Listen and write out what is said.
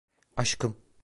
Aşkım.